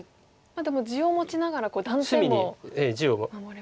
でも地を持ちながら断点も守れますね。